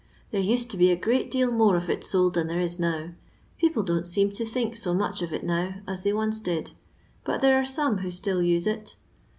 There used to be a great deal more of it sold than there is now ; people don't seem to think so much of it now, as they once did, but there are some who still use it.